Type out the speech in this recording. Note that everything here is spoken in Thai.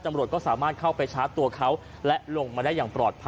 ตำรวจก็สามารถเข้าไปชาร์จตัวเขาและลงมาได้อย่างปลอดภัย